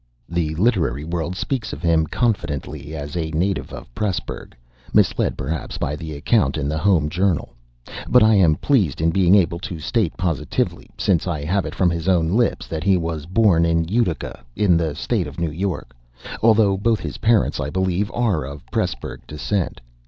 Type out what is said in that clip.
"The Literary World" speaks of him, confidently, as a native of Presburg (misled, perhaps, by the account in "The Home Journal") but I am pleased in being able to state positively, since I have it from his own lips, that he was born in Utica, in the State of New York, although both his parents, I believe, are of Presburg descent.